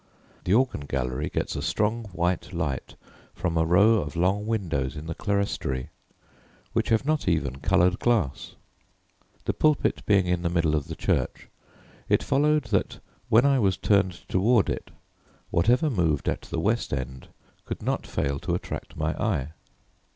The organ gallery gets a strong white light from a row of long windows in the clerestory, which have not even coloured glass. The pulpit being in the middle of the church, it followed that, when I was turned toward it, whatever moved at the west end could not fail to attract my eye.